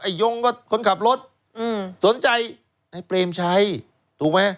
ยงก็คนขับรถอืมสนใจในเปรมชัยถูกไหม